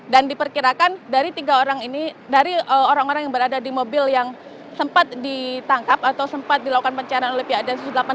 dan diperkirakan dari tiga orang ini dari orang orang yang berada di mobil yang sempat ditangkap atau sempat dilakukan pencarian oleh pihak densus delapan puluh delapan